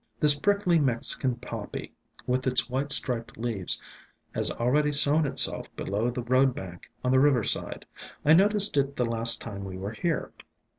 "This prickly Mexican Poppy, with its white striped leaves, has already sown itself below the road bank on the river side. I noticed it the last time we were here.